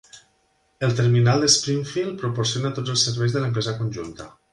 El terminal de Springfield proporciona tots els serveis de l'empresa conjunta.